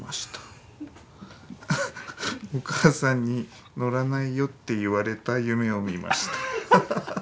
お母さんに乗らないよって言われた夢を見ました」。